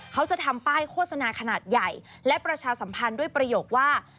เขาจะทำป้ายโฆษณาขนาดใหญ่และประชาสัมพันธ์ด้วยประโยคว่า